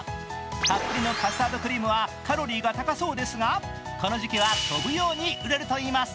たっぷりのカスタードクリームはカロリーが高そうですがこの時期は、飛ぶように売れるといいます。